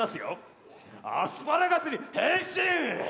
アスパラガスに変身！